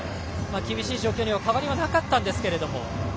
厳しい状況には変わりはなかったんですけども。